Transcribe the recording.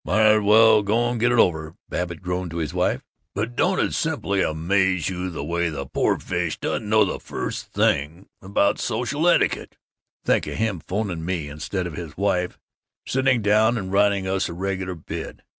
"Might as well go and get it over," Babbitt groaned to his wife. "But don't it simply amaze you the way the poor fish doesn't know the first thing about social etiquette? Think of him 'phoning me, instead of his wife sitting down and writing us a regular bid!